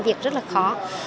việc rất là khó